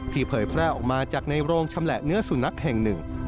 เผยแพร่ออกมาจากในโรงชำแหละเนื้อสุนัขแห่งหนึ่ง